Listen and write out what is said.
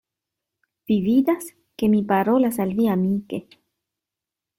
Vi vidas, ke mi parolas al vi amike.